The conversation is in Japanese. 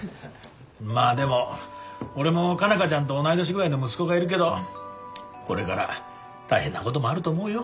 まあでも俺も佳奈花ちゃんと同い年ぐらいの息子がいるけどこれから大変なこともあると思うよ。